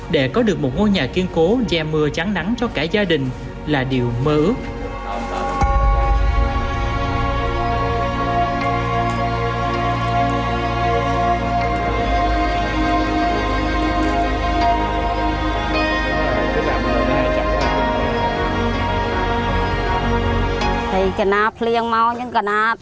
để có được một ngôi nhà kiên cố dè mưa trắng nắng cho cả gia đình là điều mơ ước